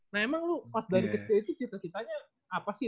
nah emang lu pas dari kecil itu cita citanya apa sih